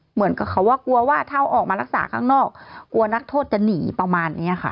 เหมือนกับเขาว่ากลัวว่าถ้าออกมารักษาข้างนอกกลัวนักโทษจะหนีประมาณนี้ค่ะ